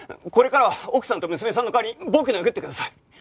これからは奥さんと娘さんの代わりに僕殴ってください。